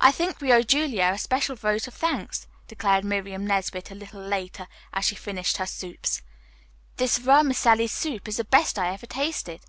"I think we owe Julia a special vote of thanks," declared Miriam Nesbit a little later, as she finished her soup. "This vermicelli soup is the best I ever tasted."